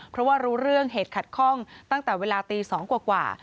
เพราะว่ารู้เรื่องเหตุขัดข้องตั้งแต่เวลาตี๒กว่า